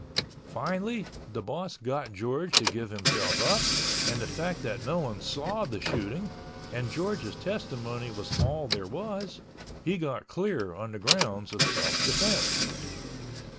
Finally the boss got George to give himself up and the fact that no one saw the shooting and George's testimony was all there was, he got clear on the grounds of self defense.